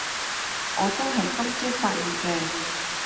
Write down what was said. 我都係今朝發現嘅